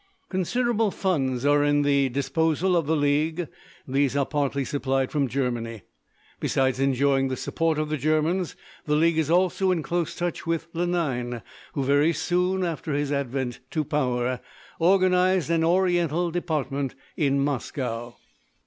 Considerable funds are at the disposal of the league. These are partly supplied from Germany. Besides enjoying the support of the Germans, the league is also in close touch with Lenine, who very soon after his advent to power organised an Oriental Department in Moscow.